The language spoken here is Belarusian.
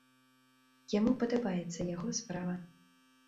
Яму падабаецца яго справа.